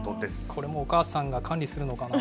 これもお母さんが管理するのかな。